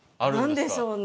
何ででしょうね？